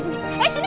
eh sini mas